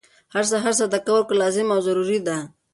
هر سهار صدقه ورکول لازم او ضروري ده،